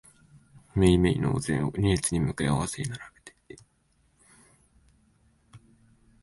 めいめいのお膳を二列に向かい合わせに並べて、